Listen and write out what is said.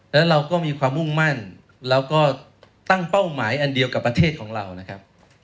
แล้วเราก็มีความมุ่งมั่นแล้วก็ตั้งเป้าหมายอันเดียวกับประเทศของเรานะครับ